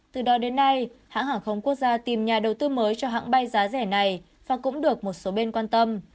từ đó đến nay hãng hàng không quốc gia tìm nhà đầu tư mới cho hãng bay giá rẻ này và cũng được một số bên quan tâm